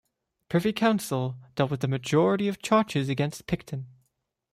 The Privy Council dealt with the majority of the charges against Picton.